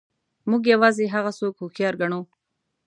موږ یوازې هغه څوک هوښیار ګڼو.